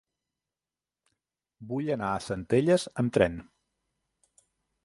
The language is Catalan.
Vull anar a Centelles amb tren.